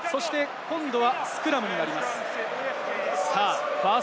今度はスクラムになります。